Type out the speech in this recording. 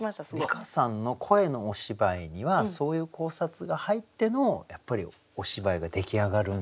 梨香さんの声のお芝居にはそういう考察が入ってのやっぱりお芝居が出来上がるんですね。